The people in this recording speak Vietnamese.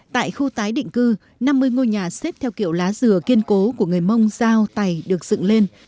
tại khu tái định cư năm mươi ngôi nhà xếp theo kiểu lá dừa kiên cố của người mông dao tày được dựng lên